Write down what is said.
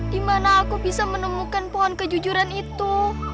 di mana aku bisa menemukan pohon kejujuran itu